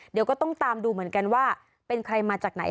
เดี๋ยวก็ต้องตามดูเหมือนกันว่าเป็นใครมาจากไหน